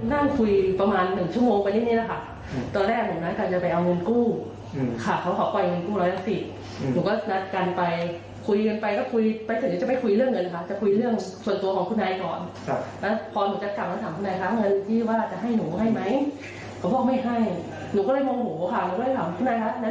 ถึงไม่บอกให้มาตัดอีกที่